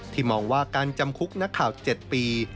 มองว่าการจำคุกนักข่าว๗ปี